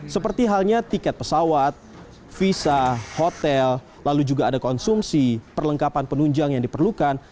seperti halnya tiket pesawat visa hotel lalu juga ada konsumsi perlengkapan penunjang yang diperlukan